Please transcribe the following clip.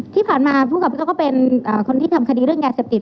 ที่ผ่านมาภูมิกับพี่เขาก็เป็นคนที่ทำคดีเรื่องยาเสพติด